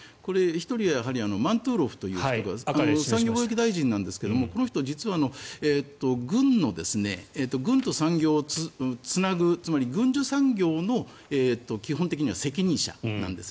１人はマントゥロフという人が産業貿易大臣なんですがこの人は実は、軍と産業をつなぐつまり軍需産業の基本的には責任者なんです。